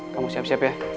kamu siap siap ya